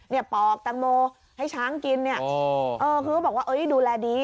นี่ปอกตะโมให้ช้างกินคือบอกว่าดูแลดี